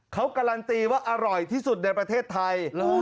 เขาการันตีว่าอร่อยที่สุดในประเทศไทย